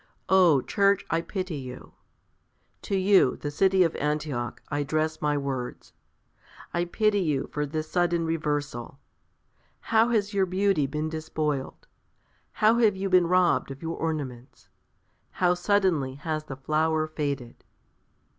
Oh! Church, I pity you. To you, the city of Antioch, I address my words. I pity you for this sudden reversal. How has your beauty been despoiled! How have you been robbed of your ornaments! How suddenly has the flower faded!